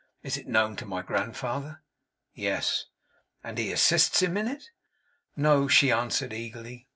Is it known to my grandfather?' 'Yes.' 'And he assists him in it?' 'No,' she answered eagerly.